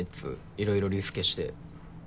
いろいろリスケして。